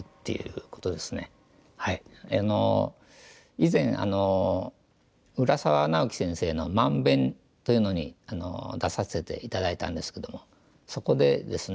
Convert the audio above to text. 以前「浦沢直樹先生の慢勉」というのに出させて頂いたんですけどもそこでですね